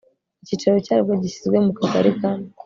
icyicaro cyaryo gishyizwe mu kagari ka